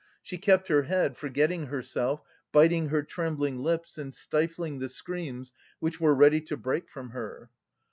She kept her head, forgetting herself, biting her trembling lips and stifling the screams which were ready to break from her.